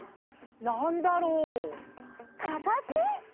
「なんだろう」「かかし！」